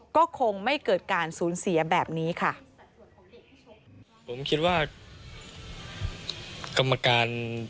ก็คงไม่เกิดการสูญเสียแบบนี้ค่ะ